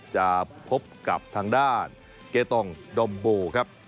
จะพบกับทางด้านเกตงดมบูร์ครับ